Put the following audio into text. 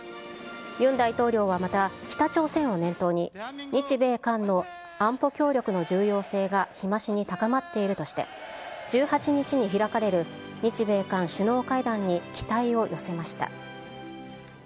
ユン大統領はまた、北朝鮮を念頭に、日米韓の安保協力の重要性が日増しに高まっているとして、１８日に開かれる日米韓首脳会談に期待を寄せました。